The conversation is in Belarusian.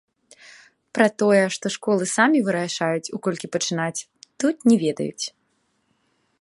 Пра тое, што школы самі вырашаюць, у колькі пачынаць, тут не ведаюць!